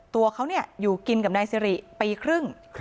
ตัวเขาอยู่กินกับนายสิริปีครึ่ง